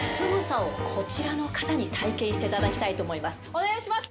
お願いします